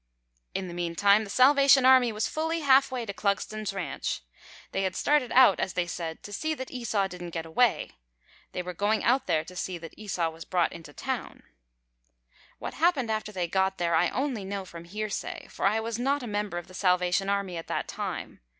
In the meantime the Salvation Army was fully half way to Clugston's ranch. They had started out, as they said, "to see that Esau didn't get away." They were going out there to see that Esau was brought into town. [Illustration: THE SALVATION ARMY.] What happened after they got there I only know from hearsay, for I was not a member of the Salvation Army at that time.